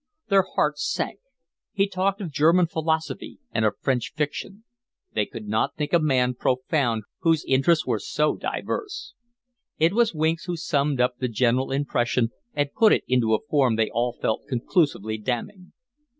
Their hearts sank. He talked of German philosophy and of French fiction. They could not think a man profound whose interests were so diverse. It was Winks who summed up the general impression and put it into a form they all felt conclusively damning.